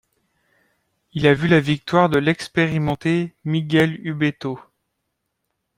Il a vu la victoire de l'expérimenté, Miguel Ubeto.